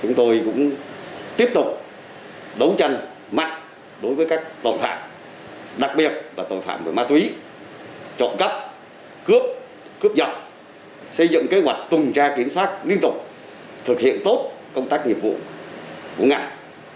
chúng tôi cũng tiếp tục đấu tranh mạnh đối với các tội phạm đặc biệt là tội phạm về ma túy trộm cắp cướp cướp giật xây dựng kế hoạch tuần tra kiểm soát liên tục thực hiện tốt công tác nghiệp vụ của ngành